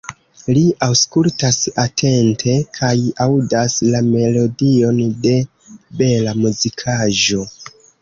Li aŭskultas atente kaj aŭdas la melodion de bela muzikaĵo.